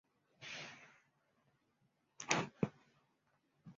大部分工作都引用费米悖论作为参考。